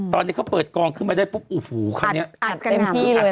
ตอนนี้เขาเปิดกองขึ้นมาได้ปุ๊บอุ้ยเขาอัดเต็มที่เลย